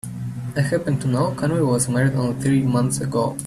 I happen to know Conway was married only three months ago.